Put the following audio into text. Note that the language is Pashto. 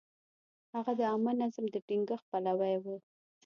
هغه د عامه نظم د ټینګښت پلوی و.